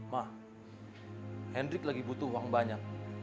mah hendrik lagi butuh uang banyak